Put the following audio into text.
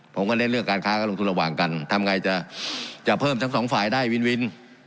ผมก็เล่นเรื่องการค้าก็ลงทุนระหว่างกันทำไงจะจะเพิ่มทั้งสองฝ่ายได้วินวิน